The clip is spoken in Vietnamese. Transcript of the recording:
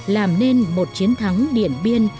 làm nên một chiến thắng điện biên